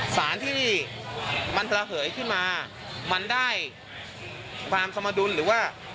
สารที่นี่มันระเหยขึ้นมามันได้ความสมดุลหรือว่า